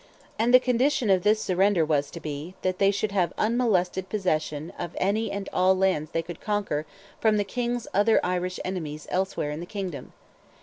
And the condition of this surrender was to be, that they should have unmolested possession of any and all lands they could conquer from the King's other Irish enemies elsewhere in the kingdom.